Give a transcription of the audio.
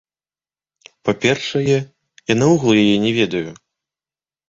Па-першае, я наогул яе не ведаю.